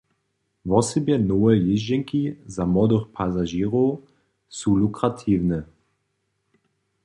Wosebje nowe jězdźenki za młodych pasažěrow su lukratiwne.